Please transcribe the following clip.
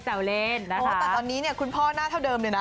แต่ตอนนี้เนี่ยคุณพ่อหน้าเท่าเดิมเลยนะ